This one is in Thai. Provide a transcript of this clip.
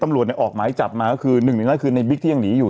ตำรวจเนี่ยออกหมายจับมาก็คือหนึ่งหนึ่งนาทีคือในบิ๊กที่ยังหลีอยู่